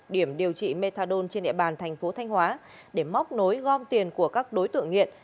điểm điều trị methadone trên địa bàn thành phố thanh hóa để móc nối gom tiền của các đối tượng nghiện